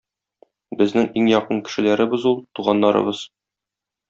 Безнең иң якын кешеләребез ул – туганнарыбыз.